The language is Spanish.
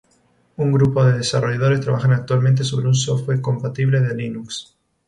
Un grupo de desarrolladores trabajan actualmente sobre un software compatible Linux.